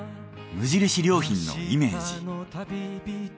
無印良品のイメージ。